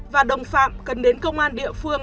và đồng phạm cần đến công an địa phương